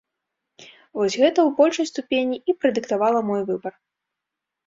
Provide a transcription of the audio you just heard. Вось гэта, у большай ступені, і прадыктавала мой выбар.